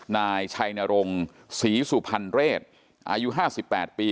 นายชัยนรงศ์ศรีสุพรรณเรศอายุห้าสิบแปดปี